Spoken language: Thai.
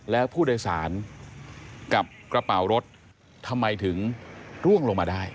แล้วผู้โดยสารกับกระเป๋ารถทำไมถึงร่วงลงมาได้